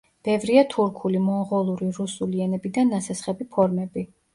ბევრია თურქული, მონღოლური, რუსული ენებიდან ნასესხები ფორმები.